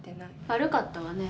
悪かったわね。